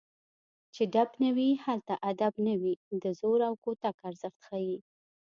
چې ډب نه وي هلته ادب نه وي د زور او کوتک ارزښت ښيي